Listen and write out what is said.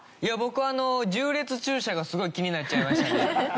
僕あの縦列駐車がすごい気になっちゃいましたね。